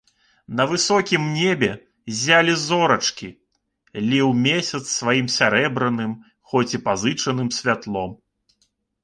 На высокім небе ззялі зорачкі, ліў месяц сваім сярэбраным, хоць і пазычаным, святлом.